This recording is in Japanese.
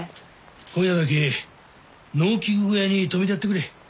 今夜だけ農機具小屋に泊めてやってくれ。